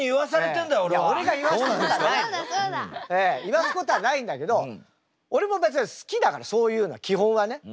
言わすことはないんだけど俺も別に好きだからそういうのは基本はね。